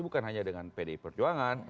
bukan hanya dengan pdi perjuangan